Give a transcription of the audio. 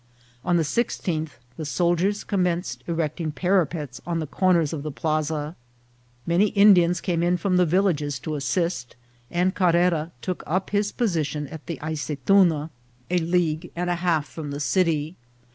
On the sixteenth the soldiers commenced erecting parapets at the corners of the plaza ; many Indians came in from the villages to assist, and Carrera took up his position at the Aceytuna, 10 110 INCIDENTS OF TRAVEL. a league and a half from the city.